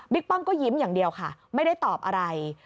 ป้อมก็ยิ้มอย่างเดียวค่ะไม่ได้ตอบอะไร